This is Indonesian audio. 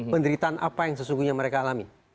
penderitaan apa yang sesungguhnya mereka alami